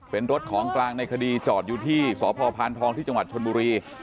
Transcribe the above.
เป็นรถของกลางในคดีจอดอยู่ที่สพพานทองที่จังหวัดชนบุรี